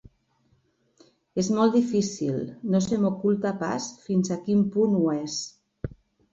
És molt difícil, no se m'oculta pas fins a quin punt ho és.